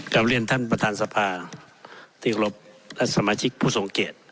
การเรียนท่านประธานสภาที่รบและสมาชิกผู้ส่งเกลด